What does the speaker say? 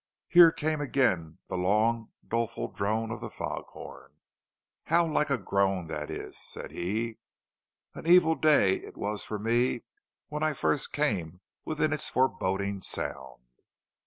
Here came again the long, doleful drone of the foghorn. "How like a groan that is," said he. "An evil day it was for me when I first came within its foreboding sound."